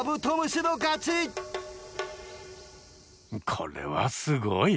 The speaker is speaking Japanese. これはすごい！